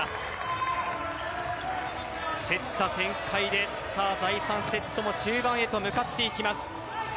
競った展開で第３セットも終盤へと向かっていきます。